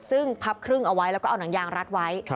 ซึ่งพับครึ่งเอาไว้แล้วก็เอาหนังยางรัดไว้